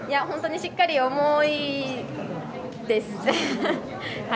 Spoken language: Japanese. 本当にしっかり重いです。